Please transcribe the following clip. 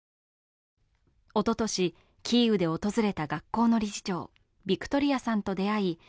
おととし、キーウで訪れた学校の理事長、ヴィクトリアさんと出会い